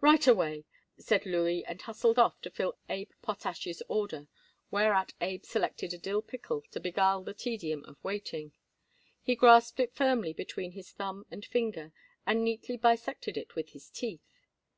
"Right away!" said Louis, and hustled off to fill Abe Potash's order, whereat Abe selected a dill pickle to beguile the tedium of waiting. He grasped it firmly between his thumb and finger, and neatly bisected it with his teeth.